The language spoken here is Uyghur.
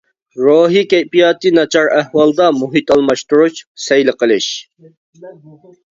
روھى كەيپىياتى ناچار ئەھۋالدا مۇھىت ئالماشتۇرۇش، سەيلە قىلىش.